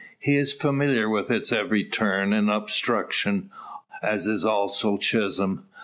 He is familiar with its every turn and obstruction, as is also Chisholm.